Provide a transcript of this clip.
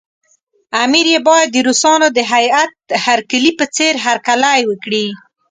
امیر یې باید د روسانو د هیات هرکلي په څېر هرکلی وکړي.